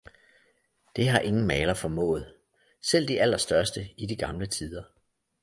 Det har ingen maler formået, selv de allerstørste i de gamle tider.